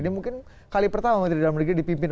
ini mungkin kali pertama menteri dalam negeri dipimpin